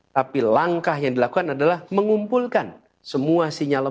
tapi langkah yang dilakukan adalah mengumpulkan semua sinyal